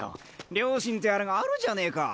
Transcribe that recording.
良心とやらがあるじゃねえか